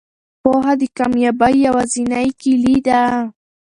پوهه د کامیابۍ یوازینۍ کیلي ده.